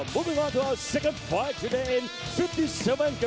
เพื่อต้องใช้ความเป็นภาคล่อนก่อน